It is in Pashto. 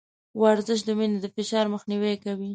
ورزش د وينې له فشار مخنيوی کوي.